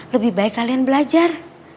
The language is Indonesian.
lebih baik kalian belajar